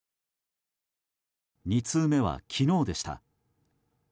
２通目は昨日でした。